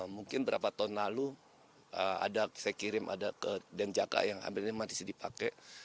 mungkin berapa tahun lalu ada saya kirim ada ke denjaka yang ambilnya masih dipakai